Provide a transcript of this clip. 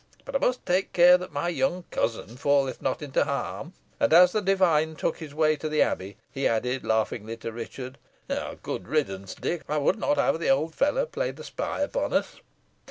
But I must take care that my young cousin falleth not into harm." And as the divine took his way to the Abbey, he added, laughingly, to Richard, "A good riddance, Dick. I would not have the old fellow play the spy upon us.